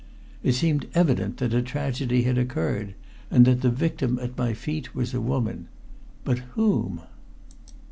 It seemed evident that a tragedy had occurred, and that the victim at my feet was a woman. But whom?